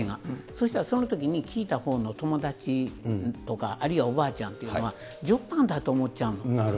そうしたらそのときに聞いたほうの友達とか、あるいはおばあちゃんというのは、冗談だと思っちゃうの。